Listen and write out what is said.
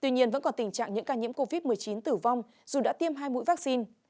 tuy nhiên vẫn còn tình trạng những ca nhiễm covid một mươi chín tử vong dù đã tiêm hai mũi vaccine